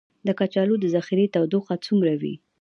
د کچالو د ذخیرې تودوخه څومره وي؟